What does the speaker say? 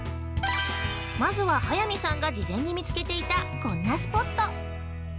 まずは、早見さんが事前に見つけていた、こんなスポット！